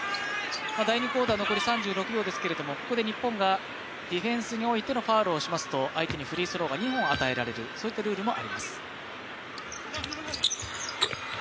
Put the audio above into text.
第２クオーター、残り３６秒ですがここで日本がディフェンスにおいてのファウルをすると相手にフリースローが２本、与えられるそういったルールもあります。